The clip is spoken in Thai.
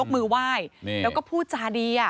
เนี่ยก็พูดชาดี้